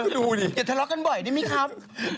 ดูดิอย่าทะเลาะกันบ่อยได้ไหมครับ